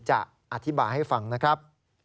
จะอธิบายให้ฟังนะครับ